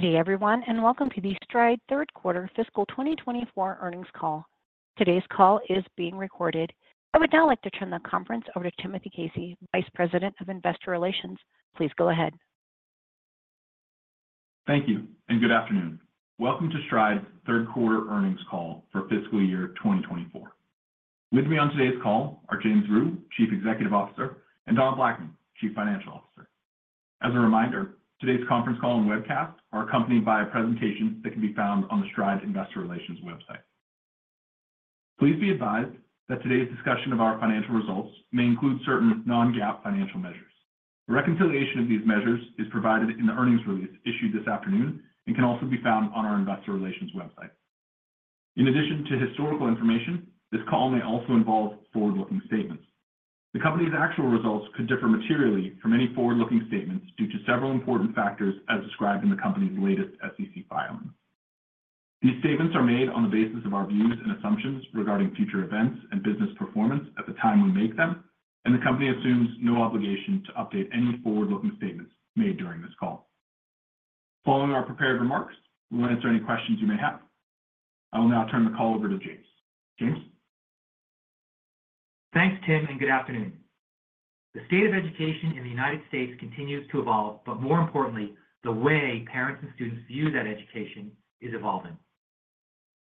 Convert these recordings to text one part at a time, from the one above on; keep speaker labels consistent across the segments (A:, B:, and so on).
A: Good day, everyone, and welcome to the Stride third quarter fiscal 2024 earnings call. Today's call is being recorded. I would now like to turn the conference over to Timothy Casey, Vice President of Investor Relations. Please go ahead.
B: Thank you and good afternoon. Welcome to Stride's third quarter earnings call for fiscal year 2024. With me on today's call are James Rhyu, Chief Executive Officer, and Donna Blackman, Chief Financial Officer. As a reminder, today's conference call and webcast are accompanied by a presentation that can be found on the Stride Investor Relations website. Please be advised that today's discussion of our financial results may include certain non-GAAP financial measures. A reconciliation of these measures is provided in the earnings release issued this afternoon and can also be found on our investor relations website. In addition to historical information, this call may also involve forward-looking statements. The company's actual results could differ materially from any forward-looking statements due to several important factors as described in the company's latest SEC filing. These statements are made on the basis of our views and assumptions regarding future events and business performance at the time we make them, and the company assumes no obligation to update any forward-looking statements made during this call. Following our prepared remarks, we'll answer any questions you may have. I will now turn the call over to James. James?
C: Thanks, Tim, and good afternoon. The state of education in the United States continues to evolve, but more importantly, the way parents and students view that education is evolving.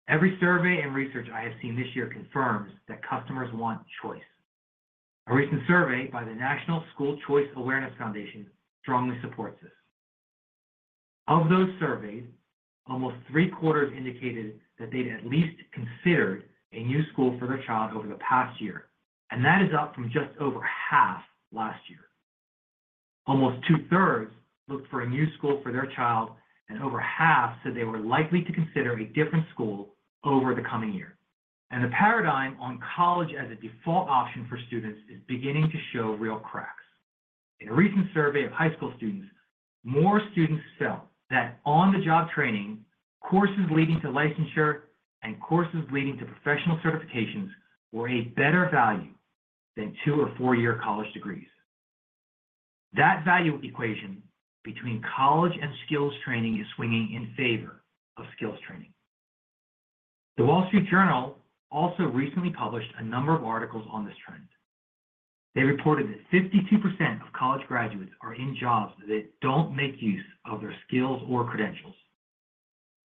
C: Every survey and research I have seen this year confirms that customers want choice. A recent survey by the National School Choice Awareness Foundation strongly supports this. Of those surveyed, almost three-quarters indicated that they'd at least considered a new school for their child over the past year, and that is up from just over half last year. Almost two-thirds looked for a new school for their child, and over half said they were likely to consider a different school over the coming year. The paradigm on college as a default option for students is beginning to show real cracks. In a recent survey of high school students, more students felt that on-the-job training, courses leading to licensure, and courses leading to professional certifications were a better value than two- or four-year college degrees. That value equation between college and skills training is swinging in favor of skills training. The Wall Street Journal also recently published a number of articles on this trend. They reported that 52% of college graduates are in jobs that don't make use of their skills or credentials.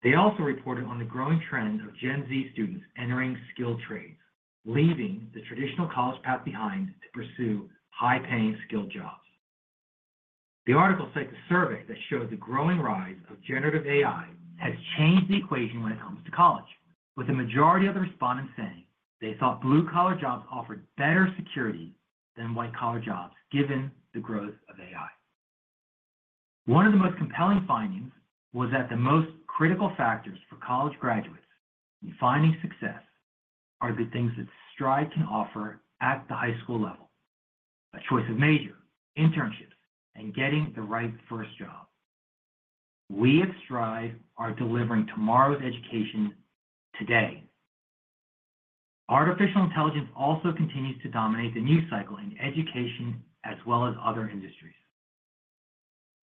C: They also reported on the growing trend of Gen Z students entering skilled trades, leaving the traditional college path behind to pursue high-paying, skilled jobs. The article cites the survey that showed the growing rise of generative AI has changed the equation when it comes to college, with the majority of the respondents saying they thought blue-collar jobs offered better security than white-collar jobs, given the growth of AI. One of the most compelling findings was that the most critical factors for college graduates in finding success are the things that Stride can offer at the high school level: a choice of major, internships, and getting the right first job. We at Stride are delivering tomorrow's education today. Artificial intelligence also continues to dominate the news cycle in education as well as other industries.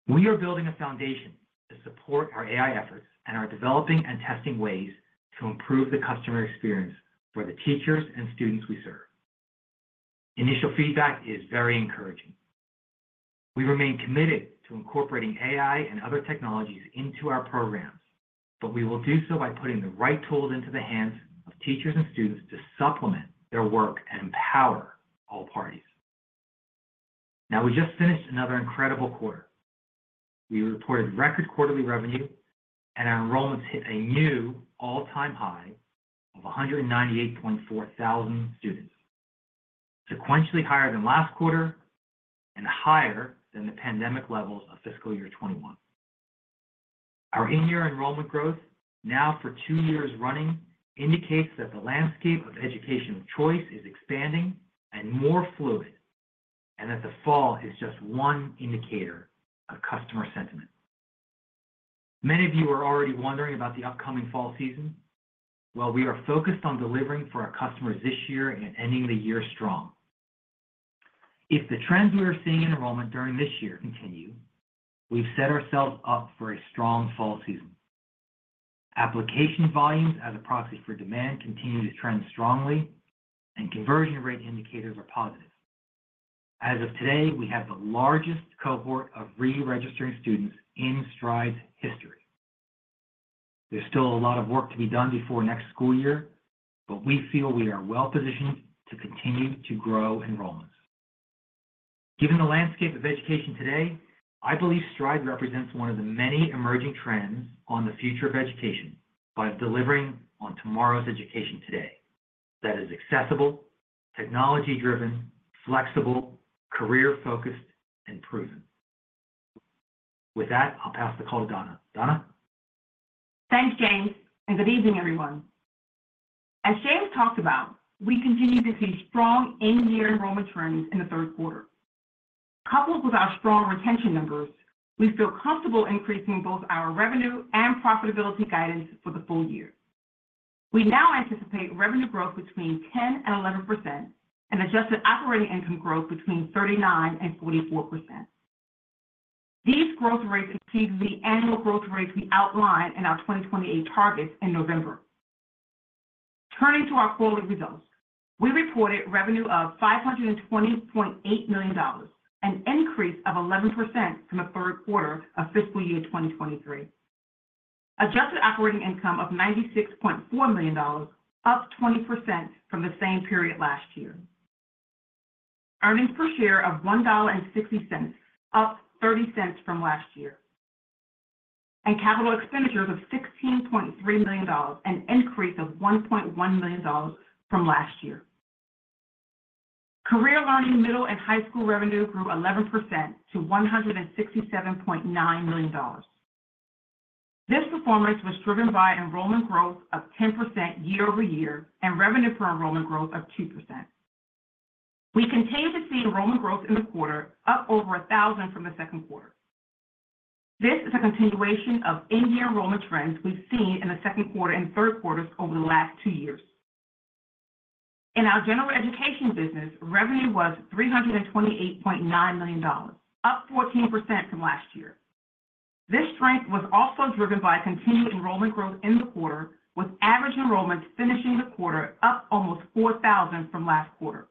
C: We are building a foundation to support our AI efforts and are developing and testing ways to improve the customer experience for the teachers and students we serve. Initial feedback is very encouraging. We remain committed to incorporating AI and other technologies into our programs, but we will do so by putting the right tools into the hands of teachers and students to supplement their work and empower all parties. Now, we just finished another incredible quarter. We reported record quarterly revenue, and our enrollments hit a new all-time high of 198.4 thousand students, sequentially higher than last quarter and higher than the pandemic levels of fiscal year 2021. Our in-year enrollment growth, now for two years running, indicates that the landscape of education of choice is expanding and more fluid, and that the fall is just one indicator of customer sentiment. Many of you are already wondering about the upcoming fall season. Well, we are focused on delivering for our customers this year and ending the year strong. If the trends we are seeing in enrollment during this year continue, we've set ourselves up for a strong fall season. Application volumes as a proxy for demand continue to trend strongly, and conversion rate indicators are positive. As of today, we have the largest cohort of re-registering students in Stride's history. There's still a lot of work to be done before next school year, but we feel we are well positioned to continue to grow enrollments. Given the landscape of education today, I believe Stride represents one of the many emerging trends on the future of education by delivering on tomorrow's education today. That is accessible, technology-driven, flexible, career-focused, and proven. With that, I'll pass the call to Donna. Donna?
D: Thanks, James, and good evening, everyone. As James talked about, we continue to see strong in-year enrollment trends in the third quarter. Coupled with our strong retention numbers, we feel comfortable increasing both our revenue and profitability guidance for the full year. We now anticipate revenue growth between 10% and 11% and adjusted operating income growth between 39% and 44%. These growth rates exceed the annual growth rates we outlined in our 2028 targets in November. Turning to our quarterly results, we reported revenue of $520.8 million, an increase of 11% from the third quarter of fiscal year 2023. Adjusted operating income of $96.4 million, up 20% from the same period last year. Earnings per share of $1.60, up $0.30 from last year, and capital expenditures of $16.3 million, an increase of $1.1 million from last year. Career Learning, middle and high school revenue grew 11% to $167.9 million. This performance was driven by enrollment growth of 10% year-over-year, and revenue per enrollment growth of 2%. We continue to see enrollment growth in the quarter, up over 1,000 from the second quarter. This is a continuation of in-year enrollment trends we've seen in the second quarter and third quarters over the last two years. In our general education business, revenue was $328.9 million, up 14% from last year. This strength was also driven by continued enrollment growth in the quarter, with average enrollments finishing the quarter up almost 4,000 from last quarter.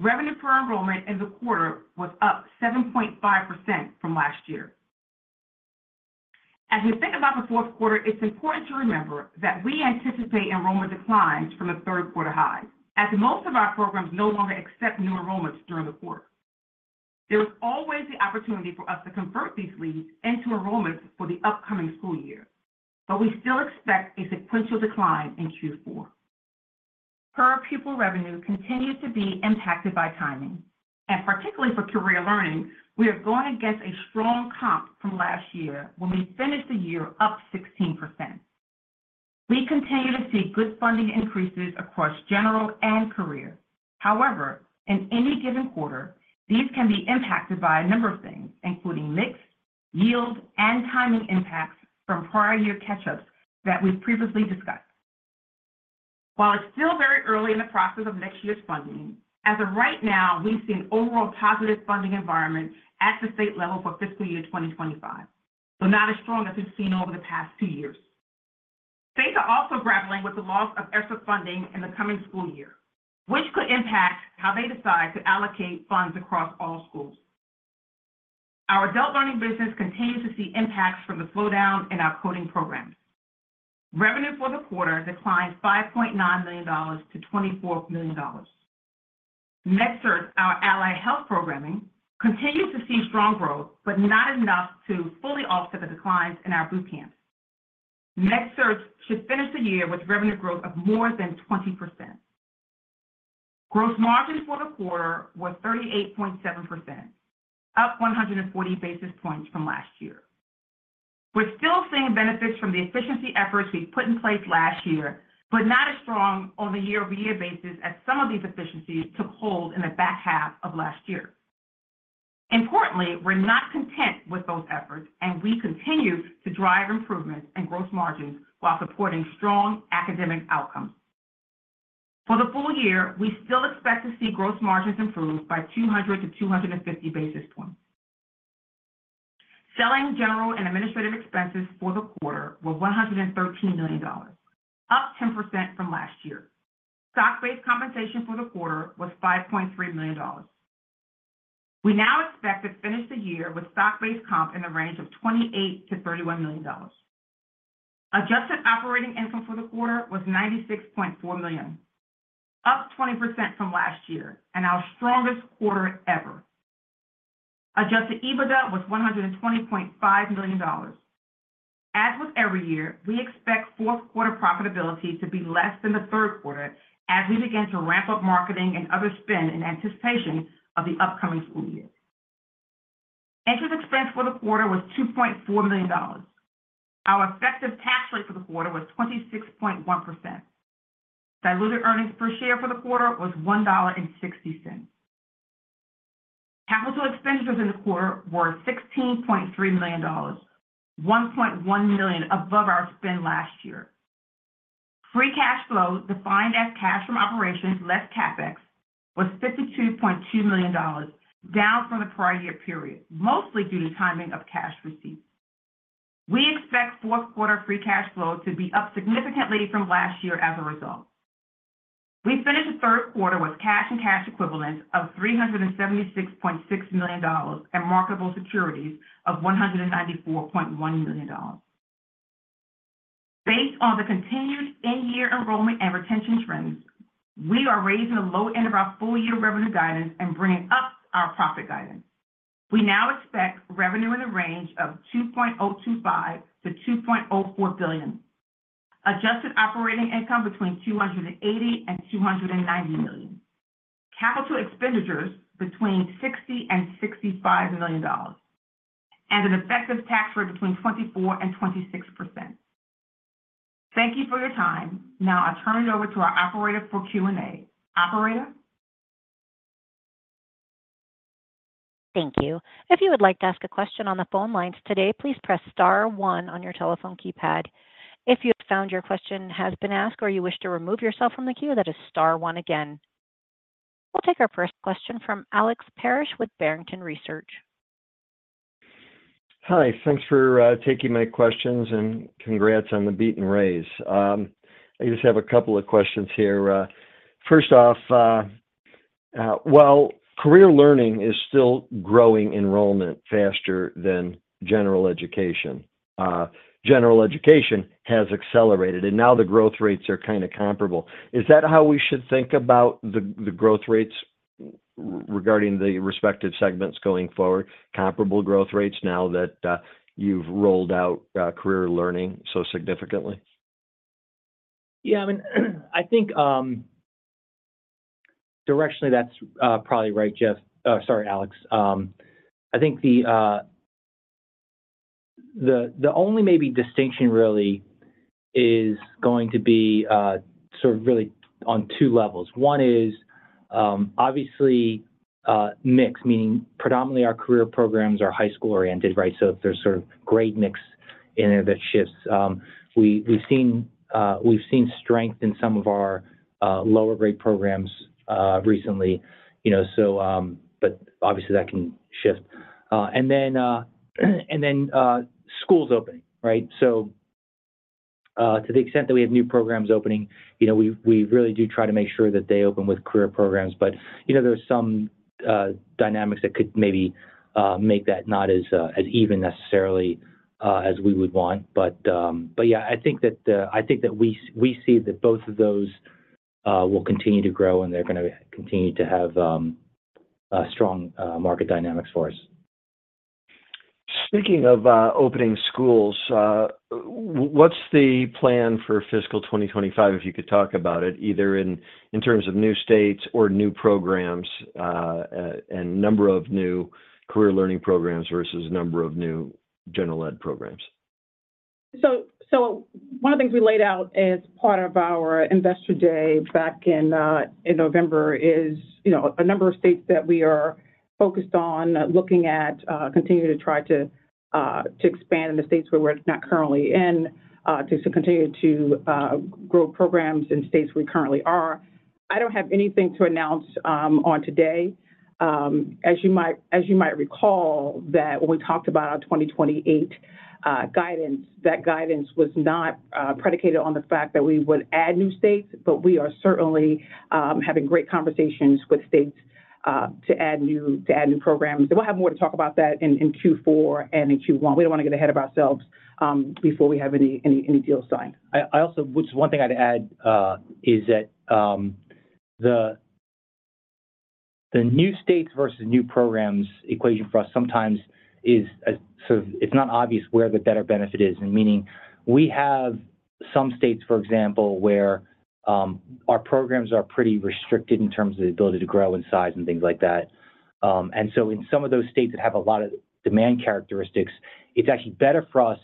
D: Revenue per enrollment in the quarter was up 7.5% from last year. As we think about the fourth quarter, it's important to remember that we anticipate enrollment declines from the third quarter highs, as most of our programs no longer accept new enrollments during the quarter. There is always the opportunity for us to convert these leads into enrollments for the upcoming school year, but we still expect a sequential decline in Q4. Per pupil revenue continues to be impacted by timing, and particularly for career learning, we are going against a strong comp from last year when we finished the year up 16%. We continue to see good funding increases across general and career. However, in any given quarter, these can be impacted by a number of things, including mix, yield, and timing impacts from prior year catch-ups that we've previously discussed. While it's still very early in the process of next year's funding, as of right now, we see an overall positive funding environment at the state level for fiscal year 2025, but not as strong as we've seen over the past two years. States are also grappling with the loss of ESSER funding in the coming school year, which could impact how they decide to allocate funds across all schools. Our adult learning business continues to see impacts from the slowdown in our coding programs. Revenue for the quarter declined $5.9 million to $24 million. MedCerts, our allied health programming, continues to see strong growth, but not enough to fully offset the declines in our boot camps. MedCerts should finish the year with revenue growth of more than 20%. Gross margin for the quarter was 38.7%, up 140 basis points from last year. We're still seeing benefits from the efficiency efforts we put in place last year, but not as strong on a year-over-year basis as some of these efficiencies took hold in the back half of last year. Importantly, we're not content with those efforts, and we continue to drive improvements in gross margins while supporting strong academic outcomes. For the full year, we still expect to see gross margins improve by 200 basis points to 250 basis points. Selling general and administrative expenses for the quarter were $113 million, up 10% from last year. Stock-based compensation for the quarter was $5.3 million. We now expect to finish the year with stock-based comp in the range of $28 million-$31 million. Adjusted operating income for the quarter was $96.4 million, up 20% from last year and our strongest quarter ever. Adjusted EBITDA was $120.5 million. As with every year, we expect fourth quarter profitability to be less than the third quarter as we begin to ramp up marketing and other spend in anticipation of the upcoming school year. Interest expense for the quarter was $2.4 million. Our effective tax rate for the quarter was 26.1%. Diluted earnings per share for the quarter was $1.60. Capital expenditures in the quarter were $16.3 million, $1.1 million above our spend last year. Free cash flow, defined as cash from operations less CapEx, was $52.2 million, down from the prior year period, mostly due to timing of cash receipts. We expect fourth quarter free cash flow to be up significantly from last year as a result. We finished the third quarter with cash and cash equivalents of $376.6 million and marketable securities of $194.1 million. Based on the continued in-year enrollment and retention trends, we are raising the low end of our full-year revenue guidance and bringing up our profit guidance. We now expect revenue in the range of $2.025 billion-$2.04 billion. Adjusted operating income between $280 million and $290 million. Capital expenditures between $60 million and $65 million, and an effective tax rate between 24% and 26%. Thank you for your time. Now I'll turn it over to our operator for Q&A. Operator?
A: Thank you. If you would like to ask a question on the phone lines today, please press star one on your telephone keypad. If you have found your question has been asked or you wish to remove yourself from the queue, that is star one again. We'll take our first question from Alex Paris with Barrington Research.
E: Hi, thanks for taking my questions, and congrats on the beat and raise. I just have a couple of questions here. First off, well, Career Learning is still growing enrollment faster than General Education. General Education has accelerated, and now the growth rates are kind of comparable. Is that how we should think about the, the growth rates regarding the respective segments going forward, comparable growth rates, now that you've rolled out Career Learning so significantly?
C: Yeah, I mean, I think, directionally, that's probably right, Jeff—sorry, Alex. I think the only maybe distinction really is going to be sort of really on two levels. One is obviously mix, meaning predominantly our career programs are high school-oriented, right? So there's sort of grade mix in there that shifts. We've seen strength in some of our lower grade programs recently, you know, so but obviously that can shift. And then, schools opening, right? So, to the extent that we have new programs opening, you know, we really do try to make sure that they open with career programs. But, you know, there are some dynamics that could maybe make that not as even necessarily as we would want. But yeah, I think that we see that both of those will continue to grow, and they're gonna continue to have strong market dynamics for us.
E: Speaking of opening schools, what's the plan for fiscal 2025, if you could talk about it, either in terms of new states or new programs, and number of new career learning programs versus number of new general ed programs?
D: So one of the things we laid out as part of our Investor Day back in November is, you know, a number of states that we are focused on looking at, continue to try to, to expand in the states where we're not currently in, to continue to, grow programs in states we currently are. I don't have anything to announce on today. As you might recall, that when we talked about our 2028 guidance, that guidance was not predicated on the fact that we would add new states, but we are certainly having great conversations with states to add new programs. So we'll have more to talk about that in Q4 and in Q1. We don't want to get ahead of ourselves, before we have any deals signed.
C: I also just one thing I'd add is that the new states versus new programs equation for us sometimes is sort of it's not obvious where the better benefit is, meaning we have some states, for example, where our programs are pretty restricted in terms of the ability to grow in size and things like that. And so in some of those states that have a lot of demand characteristics, it's actually better for us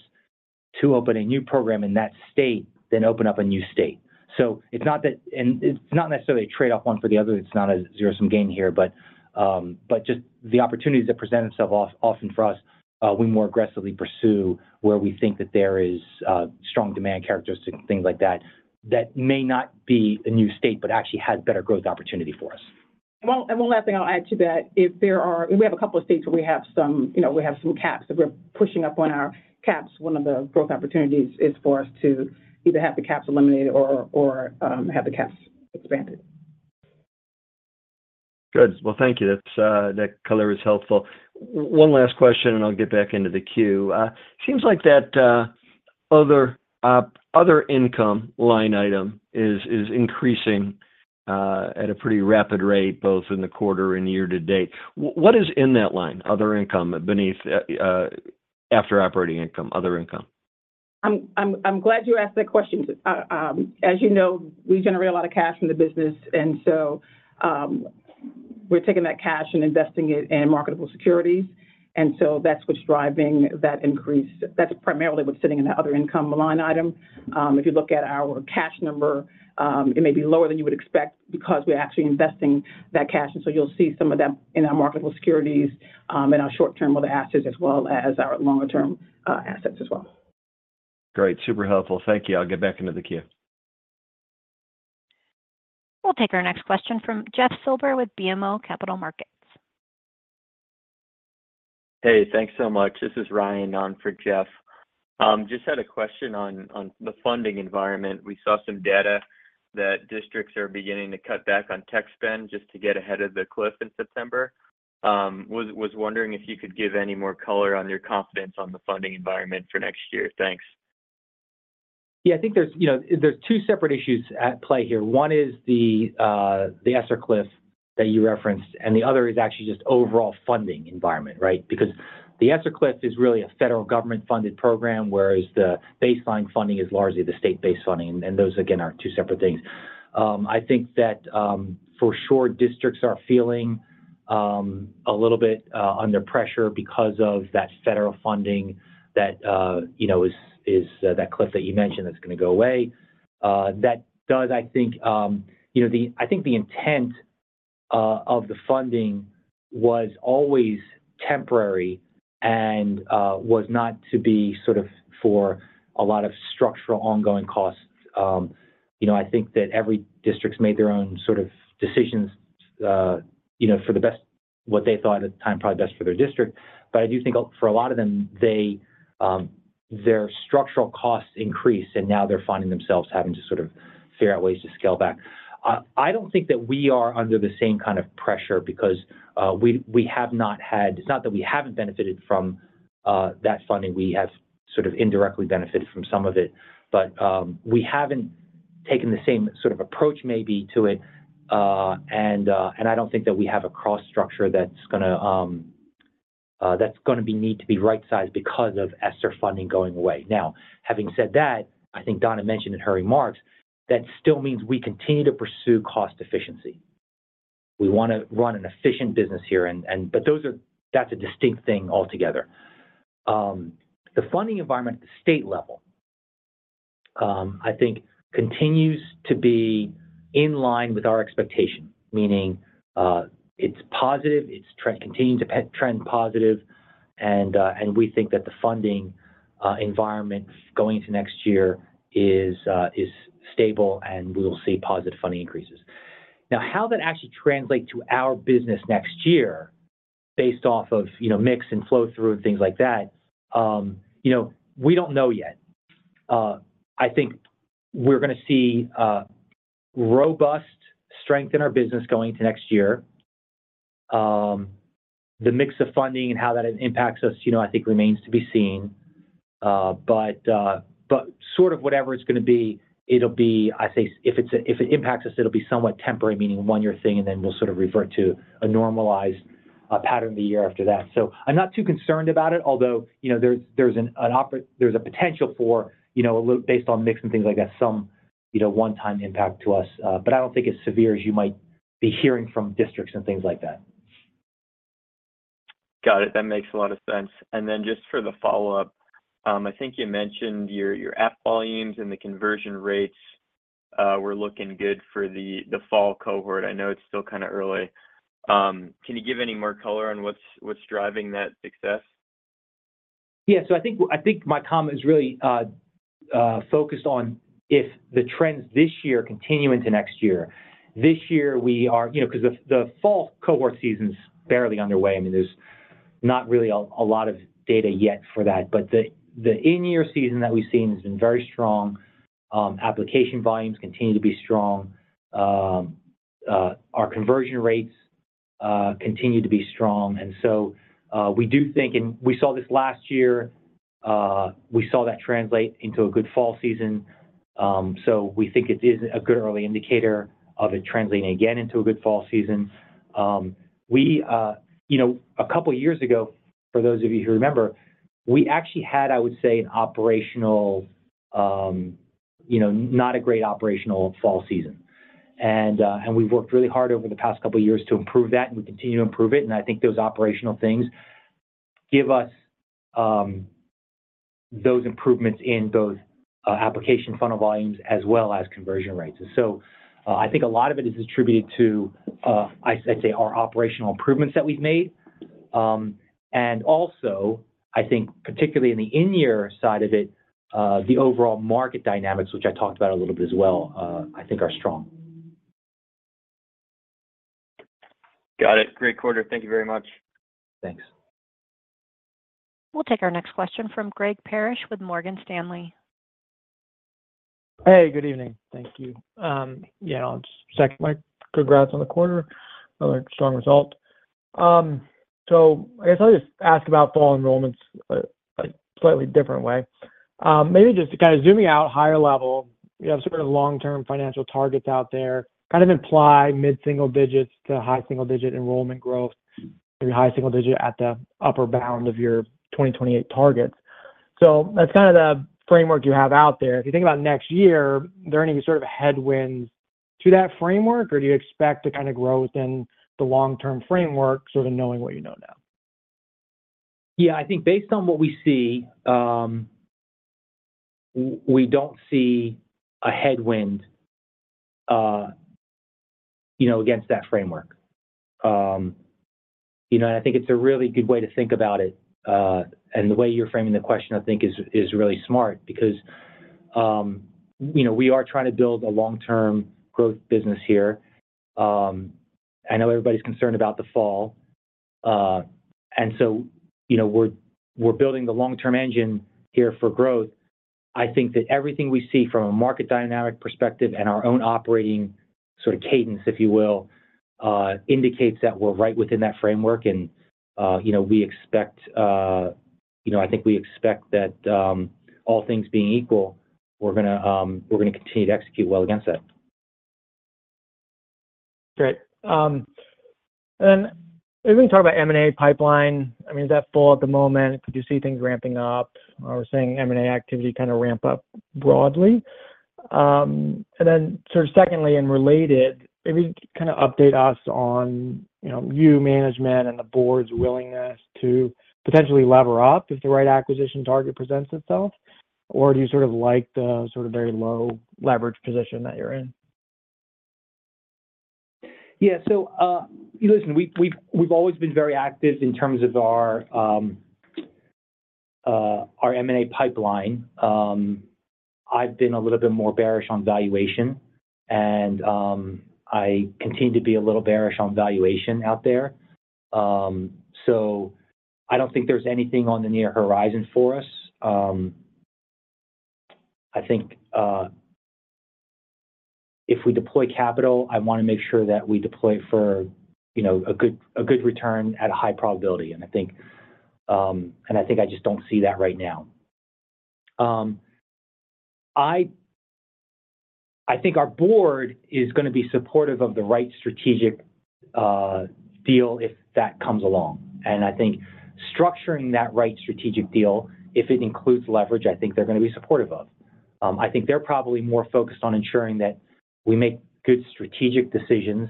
C: to open a new program in that state than open up a new state. So it's not that... and it's not necessarily a trade-off, one for the other. It's not a zero-sum game here, but, but just the opportunities that present themselves often for us, we more aggressively pursue where we think that there is strong demand characteristics and things like that, that may not be a new state, but actually has better growth opportunity for us.
D: Well, and one last thing I'll add to that. We have a couple of states where we have some, you know, we have some caps. So we're pushing up on our caps. One of the growth opportunities is for us to either have the caps eliminated or have the caps expanded.
E: Good. Well, thank you. That's, that color is helpful. One last question, and I'll get back into the queue. Seems like that, other, other income line item is increasing, at a pretty rapid rate, both in the quarter and year to date. What is in that line, other income, beneath, after operating income, other income?
D: I'm glad you asked that question. As you know, we generate a lot of cash from the business, and so, we're taking that cash and investing it in marketable securities, and so that's what's driving that increase. That's primarily what's sitting in the other income line item. If you look at our cash number, it may be lower than you would expect because we're actually investing that cash, and so you'll see some of them in our marketable securities, in our short-term other assets, as well as our longer-term assets as well.
E: Great. Super helpful. Thank you. I'll get back into the queue.
A: We'll take our next question from Jeff Silber with BMO Capital Markets.
F: Hey, thanks so much. This is Ryan on for Jeff. Just had a question on the funding environment. We saw some data that districts are beginning to cut back on tech spend just to get ahead of the cliff in September. Was wondering if you could give any more color on your confidence on the funding environment for next year. Thanks.
C: Yeah, I think there's, you know, there's two separate issues at play here. One is the ESSER cliff that you referenced, and the other is actually just overall funding environment, right? Because the ESSER cliff is really a federal government-funded program, whereas the baseline funding is largely the state-based funding, and those, again, are two separate things. I think that, for sure, districts are feeling a little bit under pressure because of that federal funding that, you know, is that cliff that you mentioned, that's gonna go away. That does, I think, you know, I think the intent of the funding was always temporary and was not to be sort of for a lot of structural ongoing costs. You know, I think that every district's made their own sort of decisions, you know, for the best, what they thought at the time, probably best for their district. But I do think, for a lot of them, they, their structural costs increased, and now they're finding themselves having to sort of figure out ways to scale back. I don't think that we are under the same kind of pressure because we have not had. It's not that we haven't benefited from that funding. We have sort of indirectly benefited from some of it, but we haven't taken the same sort of approach maybe to it. And I don't think that we have a cost structure that's gonna need to be right-sized because of ESSER funding going away. Now, having said that, I think Donna mentioned in her remarks, that still means we continue to pursue cost efficiency. We want to run an efficient business here, but that's a distinct thing altogether. The funding environment at the state level, I think continues to be in line with our expectations, meaning, it's positive, it's continuing to trend positive, and we think that the funding environment going into next year is stable, and we will see positive funding increases. Now, how that actually translates to our business next year, based off of, you know, mix and flow-through and things like that, you know, we don't know yet. I think we're gonna see robust strength in our business going into next year. The mix of funding and how that impacts us, you know, I think remains to be seen. But sort of whatever it's gonna be, it'll be... If it impacts us, it'll be somewhat temporary, meaning a one-year thing, and then we'll sort of revert to a normalized pattern the year after that. So I'm not too concerned about it, although, you know, there's a potential for, you know, a little based on mix and things like that, some, you know, one-time impact to us, but I don't think as severe as you might be hearing from districts and things like that.
F: Got it. That makes a lot of sense. And then just for the follow-up, I think you mentioned your app volumes and the conversion rates were looking good for the fall cohort. I know it's still kinda early. Can you give any more color on what's driving that success?
C: Yeah. So I think, I think my comment is really focused on if the trends this year continue into next year. This year, we are, you know, because the fall cohort season's barely underway. I mean, there's not really a lot of data yet for that. But the in-year season that we've seen has been very strong. Application volumes continue to be strong. Our conversion rates continue to be strong, and so we do think, and we saw this last year, we saw that translate into a good fall season. So we think it is a good early indicator of it translating again into a good fall season. We, you know, a couple of years ago, for those of you who remember, we actually had, I would say, an operational, you know, not a great operational fall season. And we've worked really hard over the past couple of years to improve that, and we continue to improve it, and I think those operational things give us those improvements in both application funnel volumes as well as conversion rates. So, I think a lot of it is attributed to, I'd say, our operational improvements that we've made. And also, I think particularly in the in-year side of it, the overall market dynamics, which I talked about a little bit as well, I think are strong.
F: Got it. Great quarter. Thank you very much.
C: Thanks.
A: We'll take our next question from Greg Parrish with Morgan Stanley.
G: Hey, good evening. Thank you. Yeah, just second, my congrats on the quarter. Another strong result. So I guess I'll just ask about fall enrollments, a slightly different way. Maybe just to kind of zooming out higher level, you have sort of long-term financial targets out there, kind of imply mid-single digits to high single-digit enrollment growth, maybe high single digit at the upper bound of your 2028 targets. So that's kind of the framework you have out there. If you think about next year, are there any sort of headwinds to that framework, or do you expect to kind of grow within the long-term framework, sort of knowing what you know now?
C: Yeah, I think based on what we see, we don't see a headwind, you know, against that framework. You know, and I think it's a really good way to think about it, and the way you're framing the question, I think, is really smart because, you know, we are trying to build a long-term growth business here. I know everybody's concerned about the fall, and so, you know, we're building the long-term engine here for growth. I think that everything we see from a market dynamic perspective and our own operating sort of cadence, if you will, indicates that we're right within that framework, and, you know, we expect, you know, I think we expect that, all things being equal, we're gonna continue to execute well against that.
G: Great. And maybe talk about M&A pipeline. I mean, is that full at the moment? Could you see things ramping up or seeing M&A activity kind of ramp up broadly? And then sort of secondly, and related, maybe kind of update us on, you know, you, management, and the board's willingness to potentially lever up if the right acquisition target presents itself, or do you sort of like the sort of very low leverage position that you're in?
C: Yeah. So, listen, we've always been very active in terms of our M&A pipeline. I've been a little bit more bearish on valuation, and I continue to be a little bearish on valuation out there. So I don't think there's anything on the near horizon for us. I think if we deploy capital, I wanna make sure that we deploy it for, you know, a good return at a high probability. And I think I just don't see that right now. I think our board is gonna be supportive of the right strategic deal if that comes along. And I think structuring that right strategic deal, if it includes leverage, I think they're gonna be supportive of. I think they're probably more focused on ensuring that we make good strategic decisions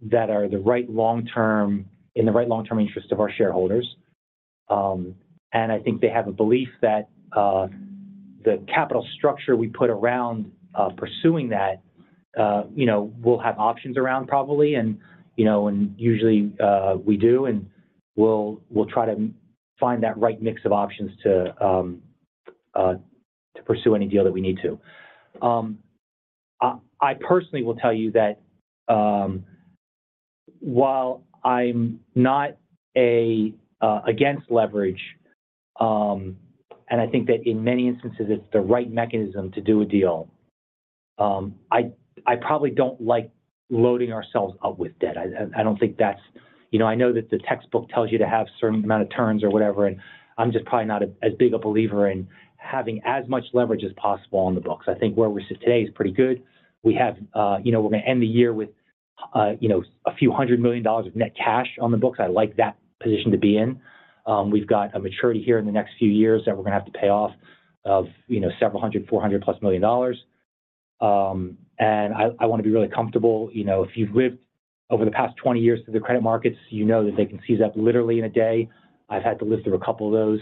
C: that are the right long-term interest of our shareholders. And I think they have a belief that the capital structure we put around pursuing that, you know, will have options around probably. And, you know, and usually we do, and we'll try to find that right mix of options to pursue any deal that we need to. I personally will tell you that while I'm not against leverage, and I think that in many instances it's the right mechanism to do a deal, I probably don't like loading ourselves up with debt. I don't think that's. You know, I know that the textbook tells you to have certain amount of turns or whatever, and I'm just probably not as big a believer in having as much leverage as possible on the books. I think where we sit today is pretty good. We have, you know, we're gonna end the year with, you know, a few hundred million dollars of net cash on the books. I like that position to be in. We've got a maturity here in the next few years that we're gonna have to pay off of, you know, several hundred, $400+ million. And I wanna be really comfortable. You know, if you've lived over the past 20 years through the credit markets, you know that they can seize up literally in a day. I've had to live through a couple of those,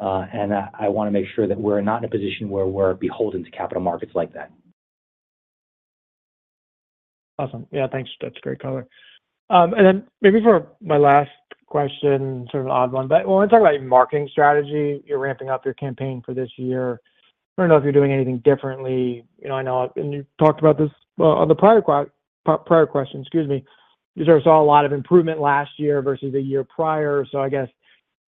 C: and I wanna make sure that we're not in a position where we're beholden to capital markets like that.
G: Awesome. Yeah, thanks. That's great color. And then maybe for my last question, sort of an odd one, but I wanna talk about your marketing strategy. You're ramping up your campaign for this year. I don't know if you're doing anything differently. You know, I know... And you talked about this, well, on the prior question, excuse me. You sort of saw a lot of improvement last year versus the year prior. So I guess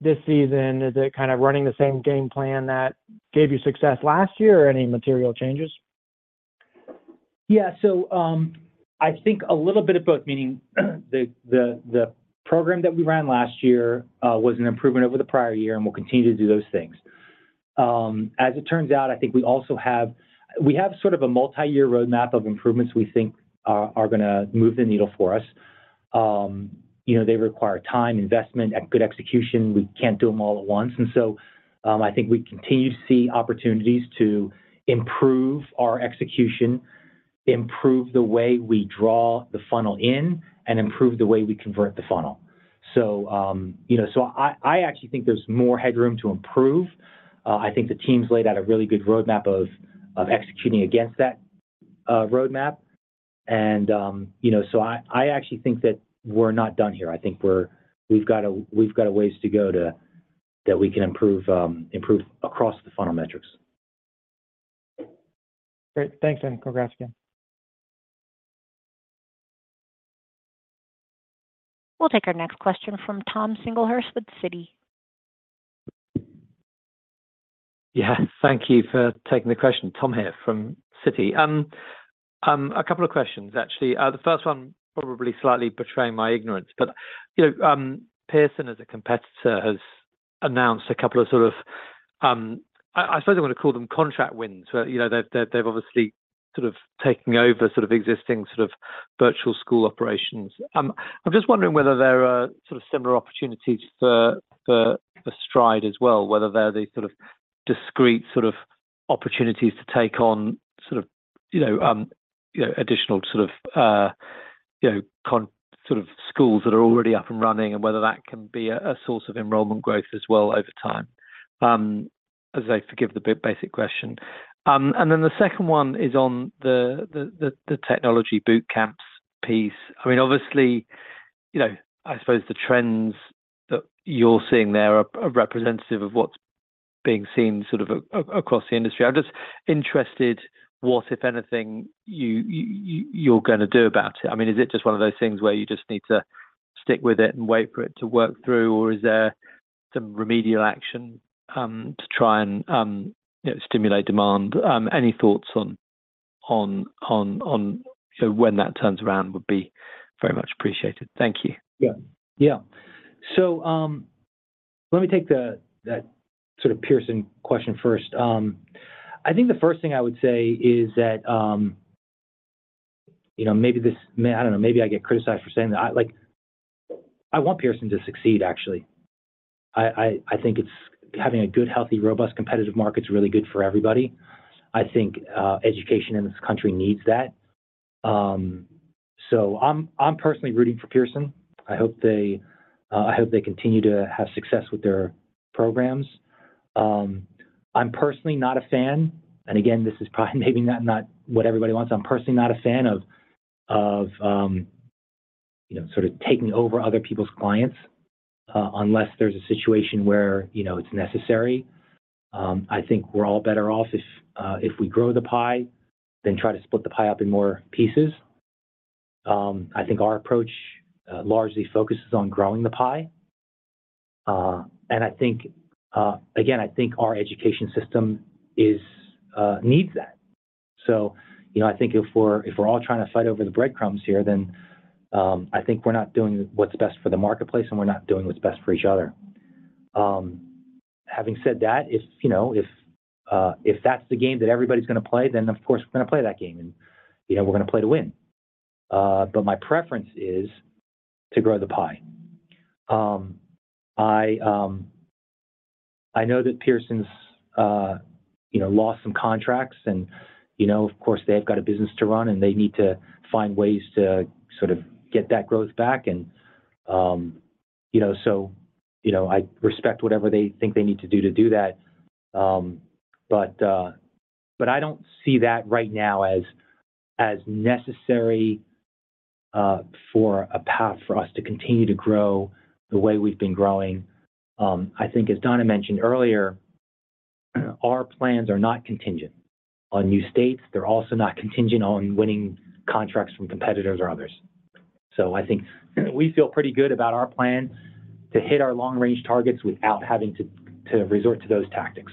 G: this season, is it kind of running the same game plan that gave you success last year, or any material changes?
C: Yeah. So, I think a little bit of both, meaning, the program that we ran last year was an improvement over the prior year, and we'll continue to do those things. As it turns out, I think we also have we have sort of a multi-year roadmap of improvements we think are gonna move the needle for us. You know, they require time, investment, and good execution. We can't do them all at once. And so, I think we continue to see opportunities to improve our execution, improve the way we draw the funnel in, and improve the way we convert the funnel. So, you know, so I actually think there's more headroom to improve. I think the team's laid out a really good roadmap of executing against that roadmap. And, you know, so I actually think that we're not done here. I think we've got a ways to go to improve across the funnel metrics.
G: Great. Thanks, and congrats again.
A: We'll take our next question from Tom Singlehurst with Citi.
H: Yeah, thank you for taking the question. Tom here from Citi. A couple of questions, actually. The first one, probably slightly betraying my ignorance, but, you know, Pearson, as a competitor, has announced a couple of sort of, I suppose I want to call them contract wins, where, you know, they've obviously sort of taking over sort of existing sort of virtual school operations. I'm just wondering whether there are sort of similar opportunities for Stride as well, whether they're the sort of discrete sort of opportunities to take on sort of, you know, you know, additional sort of, you know, con- sort of schools that are already up and running, and whether that can be a source of enrollment growth as well over time. I say forgive the basic question. And then the second one is on the technology boot camps piece. I mean, obviously, you know, I suppose the trends that you're seeing there are representative of what's being seen sort of across the industry. I'm just interested, what, if anything, you're gonna do about it? I mean, is it just one of those things where you just need to stick with it and wait for it to work through, or is there some remedial action to try and, you know, stimulate demand? Any thoughts on when that turns around would be very much appreciated. Thank you.
C: Yeah. Yeah. So, let me take that sort of Pearson question first. I think the first thing I would say is that, you know, maybe this, man, I don't know, maybe I get criticized for saying that. I, like, I want Pearson to succeed, actually. I, I, I think it's having a good, healthy, robust, competitive market is really good for everybody. I think, education in this country needs that. So I'm, I'm personally rooting for Pearson. I hope they, I hope they continue to have success with their programs. I'm personally not a fan, and again, this is probably maybe not, not what everybody wants. I'm personally not a fan of, of, you know, sort of taking over other people's clients, unless there's a situation where, you know, it's necessary. I think we're all better off if we grow the pie than try to split the pie up in more pieces. I think our approach largely focuses on growing the pie. I think, again, I think our education system is needs that. So, you know, I think if we're, if we're all trying to fight over the breadcrumbs here, then, I think we're not doing what's best for the marketplace, and we're not doing what's best for each other. Having said that, if, you know, if, if that's the game that everybody's gonna play, then, of course, we're gonna play that game, and, you know, we're gonna play to win. But my preference is to grow the pie. I know that Pearson's, you know, lost some contracts and, you know, of course, they've got a business to run, and they need to find ways to sort of get that growth back. And, you know, so, you know, I respect whatever they think they need to do to do that. But, but I don't see that right now as, as necessary, for a path for us to continue to grow the way we've been growing. I think, as Donna mentioned earlier, our plans are not contingent on new states. They're also not contingent on winning contracts from competitors or others. So I think we feel pretty good about our plans to hit our long-range targets without having to, to resort to those tactics.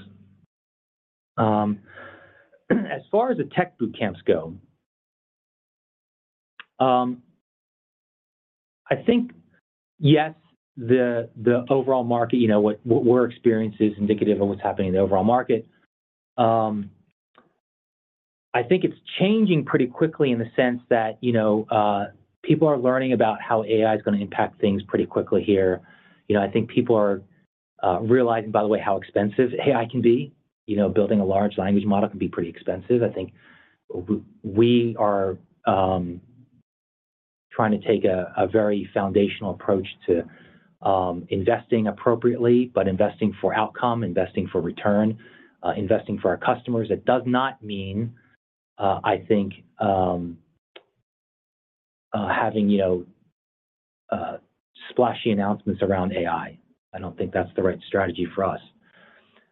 C: As far as the tech boot camps go, I think, yes, the overall market, you know, what we're experiencing is indicative of what's happening in the overall market. I think it's changing pretty quickly in the sense that, you know, people are learning about how AI is gonna impact things pretty quickly here. You know, I think people are realizing, by the way, how expensive AI can be. You know, building a large language model can be pretty expensive. I think we are trying to take a very foundational approach to investing appropriately, but investing for outcome, investing for return, investing for our customers. It does not mean, I think, having, you know, splashy announcements around AI. I don't think that's the right strategy for us.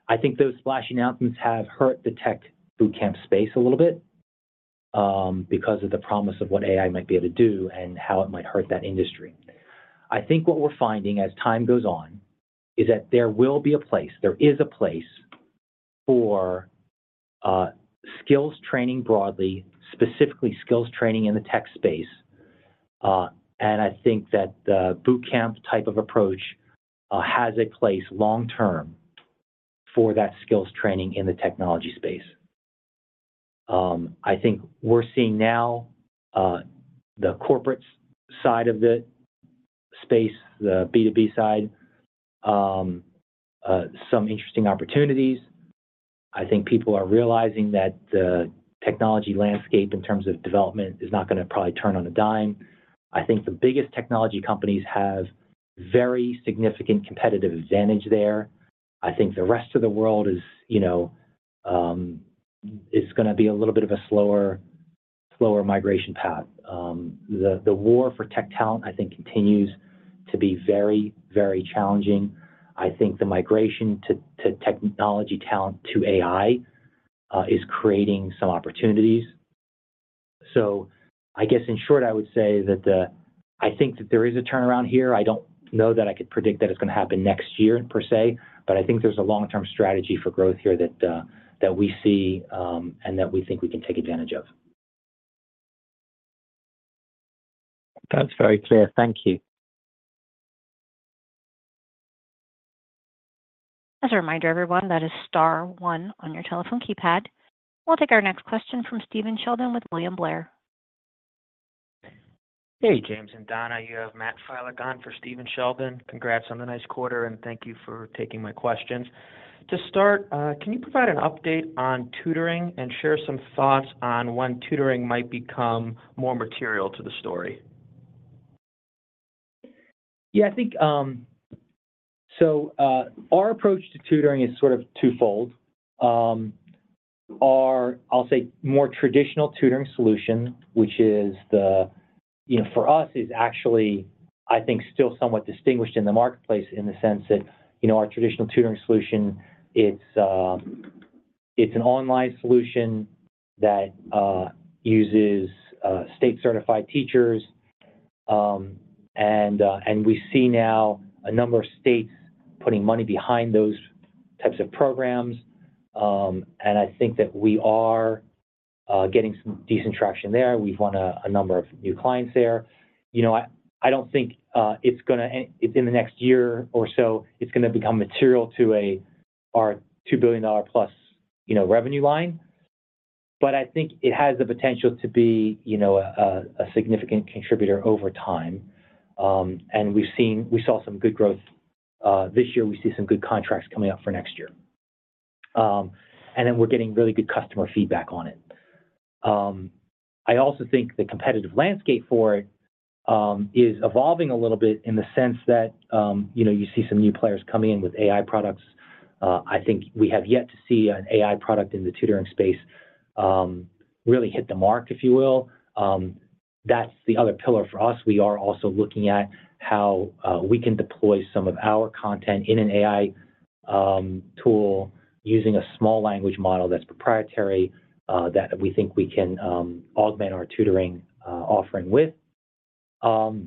C: I think those splashy announcements have hurt the tech boot camp space a little bit, because of the promise of what AI might be able to do and how it might hurt that industry. I think what we're finding as time goes on is that there will be a place, there is a place for, skills training broadly, specifically skills training in the tech space. And I think that the boot camp type of approach has a place long term for that skills training in the technology space. I think we're seeing now the corporate side of the space, the B2B side, some interesting opportunities. I think people are realizing that the technology landscape, in terms of development, is not gonna probably turn on a dime. I think the biggest technology companies have very significant competitive advantage there. I think the rest of the world is, you know, it's gonna be a little bit of a slower migration path. The war for tech talent, I think, continues to be very, very challenging. I think the migration to technology talent, to AI, is creating some opportunities. So I guess, in short, I would say that the, I think that there is a turnaround here. I don't know that I could predict that it's gonna happen next year, per se, but I think there's a long-term strategy for growth here that we see, and that we think we can take advantage of.
H: That's very clear. Thank you.
A: As a reminder, everyone, that is star one on your telephone keypad. We'll take our next question from Stephen Sheldon with William Blair.
I: Hey, James and Donna, you have Matt Filek for Stephen Sheldon. Congrats on the nice quarter, and thank you for taking my questions. To start, can you provide an update on tutoring and share some thoughts on when tutoring might become more material to the story?
C: Yeah, I think our approach to tutoring is sort of twofold. Our, I'll say, more traditional tutoring solution, which is, you know, for us, is actually, I think, still somewhat distinguished in the marketplace in the sense that, you know, our traditional tutoring solution, it's an online solution that uses state-certified teachers. And we see now a number of states putting money behind those types of programs. And I think that we are getting some decent traction there. We've won a number of new clients there. You know, I don't think it's gonna—in the next year or so, it's gonna become material to our $2 billion-plus revenue line, but I think it has the potential to be, you know, a significant contributor over time. And we saw some good growth this year. We see some good contracts coming up for next year. And then we're getting really good customer feedback on it. I also think the competitive landscape for it is evolving a little bit in the sense that you know, you see some new players coming in with AI products. I think we have yet to see an AI product in the tutoring space really hit the mark, if you will. That's the other pillar for us. We are also looking at how we can deploy some of our content in an AI tool using a small language model that's proprietary that we think we can augment our tutoring offering with. I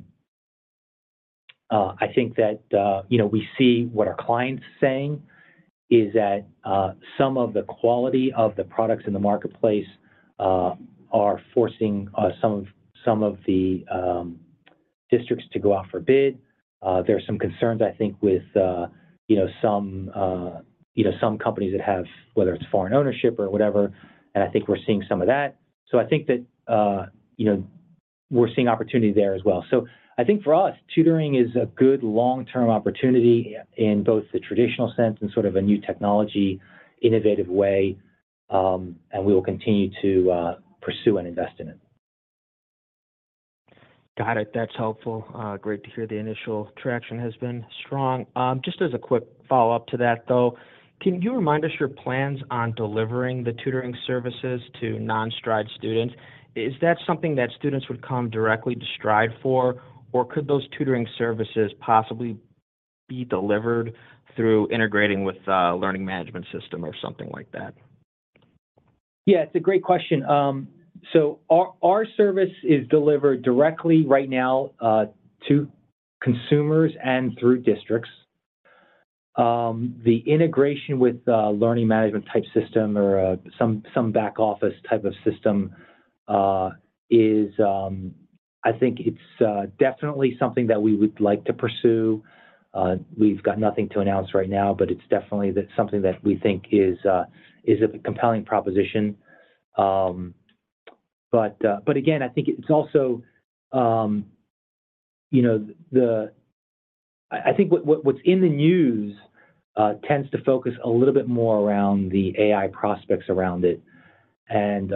C: think that, you know, we see what our clients are saying is that, some of the quality of the products in the marketplace are forcing some of the districts to go out for bid. There are some concerns, I think, with, you know, some companies that have—whether it's foreign ownership or whatever, and I think we're seeing some of that. So I think that, you know, we're seeing opportunity there as well. So I think for us, tutoring is a good long-term opportunity in both the traditional sense and sort of a new technology, innovative way, and we will continue to pursue and invest in it.
I: Got it. That's helpful. Great to hear the initial traction has been strong. Just as a quick follow-up to that, though, can you remind us your plans on delivering the tutoring services to non-Stride students? Is that something that students would come directly to Stride for, or could those tutoring services possibly be delivered through integrating with a learning management system or something like that?
C: Yeah, it's a great question. So our service is delivered directly right now to consumers and through districts. The integration with learning management type system or some back office type of system is, I think it's definitely something that we would like to pursue. We've got nothing to announce right now, but it's definitely that something that we think is a compelling proposition. But again, I think it's also, you know, the. I think what's in the news tends to focus a little bit more around the AI prospects around it. And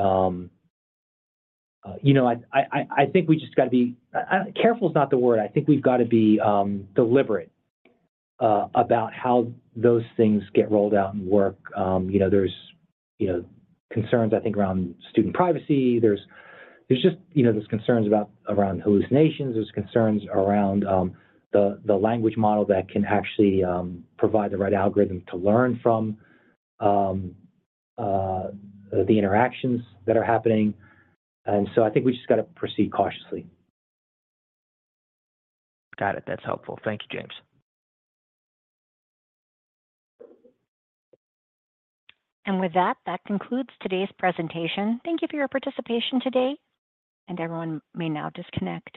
C: you know, I think we just got to be careful is not the word. I think we've got to be deliberate about how those things get rolled out and work. You know, there's, you know, concerns, I think, around student privacy. There's just, you know, there's concerns about around hallucinations, there's concerns around the language model that can actually provide the right algorithm to learn from the interactions that are happening. And so I think we just got to proceed cautiously.
I: Got it. That's helpful. Thank you, James.
A: With that, that concludes today's presentation. Thank you for your participation today, and everyone may now disconnect.